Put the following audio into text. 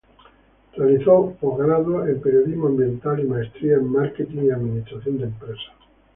Realizó posgrados en Periodismo Ambiental y maestría en marketing y administración de empresas.